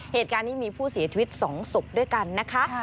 เหตุการณ์นี้มีผู้เสียชีวิต๒ศพด้วยกันนะคะ